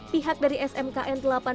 pihak dari smkn delapan